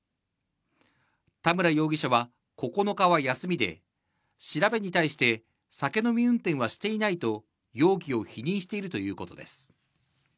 田村容疑者は９日は休みで、調べに対して、酒飲み運転はしていないと容疑を否認しているということです。